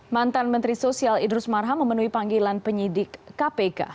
mantan menteri sosial idrus marham memenuhi panggilan penyidik kpk